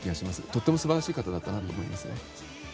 とても素晴らしい方だったと思いますね。